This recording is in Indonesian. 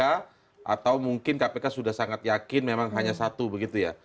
atau mungkin kpk sudah sangat yakin memang hanya satu begitu ya